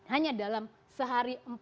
hanya dalam seharian